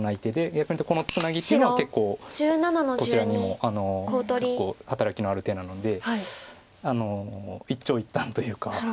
逆にいうとこのツナギっていうのは結構こちらにも結構働きのある手なので一長一短というか。